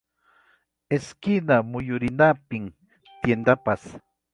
Esquina muyurinapim tiendaypas.